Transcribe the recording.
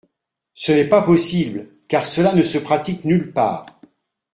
Ce n’est pas possible car cela ne se pratique nulle part.